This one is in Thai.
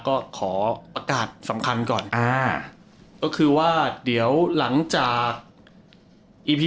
ก็ขอประกาศสำคัญก่อนอ่าก็คือว่าเดี๋ยวหลังจากอีพี